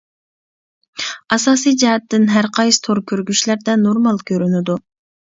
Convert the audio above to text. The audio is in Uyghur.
ئاساسى جەھەتتىن ھەرقايسى تور كۆرگۈچلەردە نورمال كۆرۈنىدۇ.